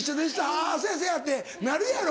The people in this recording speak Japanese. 「あぁせやせや」ってなるやろ。